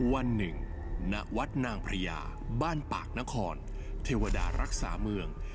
วันหนึ่งณวัดนางพระยาบ้านปากนครเทวดารักษาเมือง